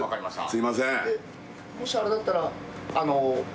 すいません